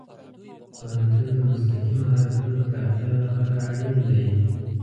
پوهنتون د مسلکي مهارتونو پراختیا لپاره اړین دی.